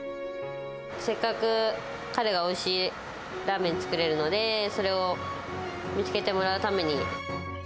せっかく彼がおいしいラーメン作れるので、それを見つけてもらうために。